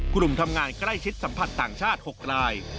กลุ่มทำงานใกล้ชิดสัมผัสต่างชาติ๖ราย